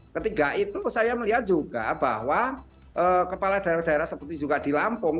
ketiga itu saya melihat juga bahwa kepala daerah daerah seperti juga di lampung